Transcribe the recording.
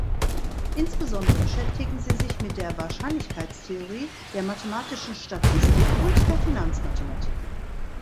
Insbesondere beschäftigen sie sich mit der Wahrscheinlichkeitstheorie, der mathematischen Statistik und der Finanzmathematik.